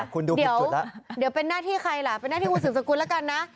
คุณดูผิดจุดแล้วเดี๋ยวเป็นหน้าที่ใครล่ะเป็นหน้าที่อุตสึกสกุลแล้วกันนะ